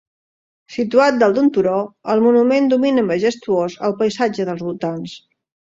Situat dalt d'un turó, el monument domina majestuós el paisatge dels voltants.